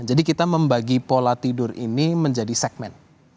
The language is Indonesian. jadi kita membagi pola tidur ini menjadi segmen